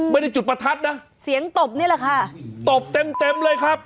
ไม่ได้จุดประทัดนะเสียงตบนี่แหละค่ะตบเต็มเต็มเลยครับ